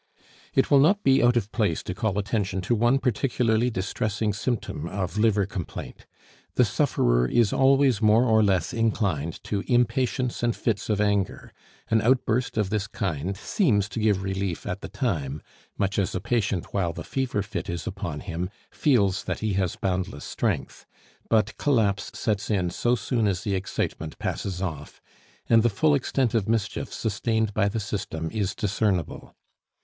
It will not be out of place to call attention to one particularly distressing symptom of liver complaint. The sufferer is always more or less inclined to impatience and fits of anger; an outburst of this kind seems to give relief at the time, much as a patient while the fever fit is upon him feels that he has boundless strength; but collapse sets in so soon as the excitement passes off, and the full extent of mischief sustained by the system is discernible.